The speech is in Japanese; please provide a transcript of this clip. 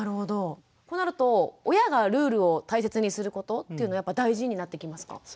となると親がルールを大切にすることというのやっぱ大事になってきますか？